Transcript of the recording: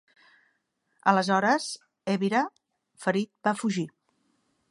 Aleshores, Ebirah, ferit, va fugir.